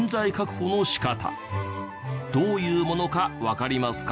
どういうものかわかりますか？